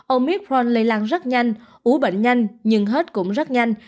omicron lây lan rất nhanh ú bệnh nhanh nhưng hết cũng rất nhanh